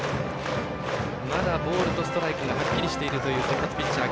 まだボールとストライクがはっきりしているという先発ピッチャー